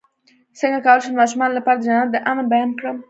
څنګه کولی شم د ماشومانو لپاره د جنت د امن بیان کړم